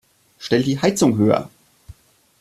Stell die Heizung höher.